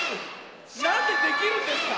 なんでできるんですか？